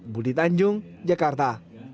budi tanjung jakarta